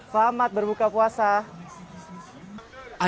selamat berbuka puasa